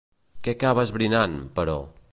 Què acaba esbrinant, però?